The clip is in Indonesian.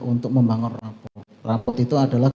untuk membangun rapor rapor itu adalah